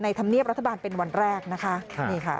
ธรรมเนียบรัฐบาลเป็นวันแรกนะคะนี่ค่ะ